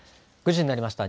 ９時になりました。